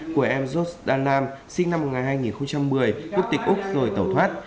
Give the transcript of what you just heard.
của em george đan nam sinh năm hai nghìn một mươi quốc tịch úc rồi tẩu thoát